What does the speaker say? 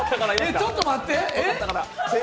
ちょっと待って！